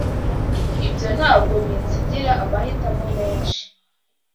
Ibyo ntabwo binsigira amahitamo menshi.